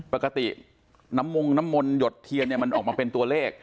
ปกติน้ำมงน้ำมนต์หยดเทียนเนี่ยมันออกมาเป็นตัวเลข